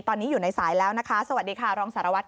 ตอนนี้อยู่ในสายแล้วนะคะสวัสดีค่ะรองสารวัตร